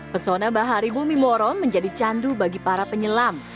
pesona bahari bumi moro menjadi candu bagi para penyelam